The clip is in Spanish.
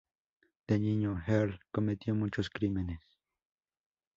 De niño, Earl cometió muchos crímenes.